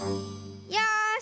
よし！